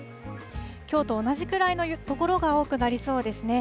きょうと同じくらいの所が多くなりそうですね。